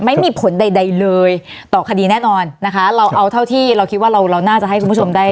ไม่มีผลใดใดเลยต่อคดีแน่นอนนะคะเราเอาเท่าที่เราคิดว่าเราเราน่าจะให้คุณผู้ชมได้